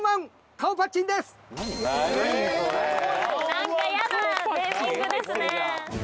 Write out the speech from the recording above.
何か嫌なネーミングですね。